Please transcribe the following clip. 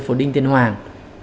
của đinh tiên hoàng